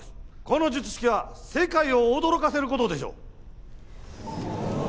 この術式は世界を驚かせる事でしょう。